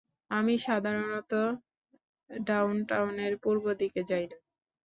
আমি সাধারনত ডাউনটাউনের পূর্ব দিকে যাই না।